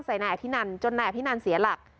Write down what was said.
ใส่นายพินันจนนายพินันเสียหลัก